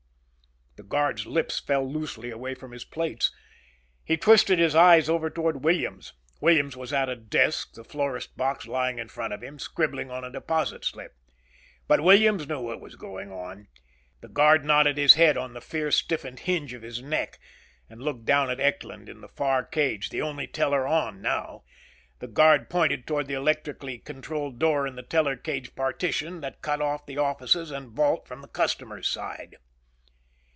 The guard's lips fell loosely away from his plates. He twisted his eyes over toward Williams. Williams was at a desk, the florist box lying in front of him, scribbling on a deposit slip. But Williams knew what was going on. The guard nodded his head on the fear stiffened hinge of his neck and looked down at Eckland in the far cage, the only teller on now. The guard pointed toward the electrically controled door in the teller cage partition that cut off the offices and vault from the customers' side.